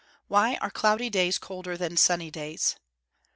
_Why are cloudy days colder than sunny days?